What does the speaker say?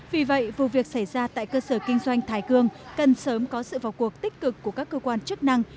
vì vậy vụ việc xảy ra tại cơ sở kinh doanh thái cương cần sớm có sự vào cuộc tích cực của các cơ quan chức năng